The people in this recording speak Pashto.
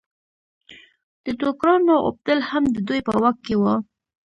د ټوکرانو اوبدل هم د دوی په واک کې وو.